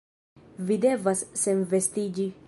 Vi devas senvestiĝi...